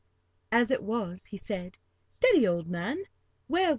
As it was, he said: "Steady, old man; 'ware wheat."